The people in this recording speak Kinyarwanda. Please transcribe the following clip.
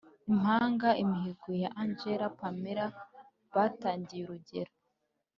Impanga! Imihigo ya angel&pamella batangiye urugendo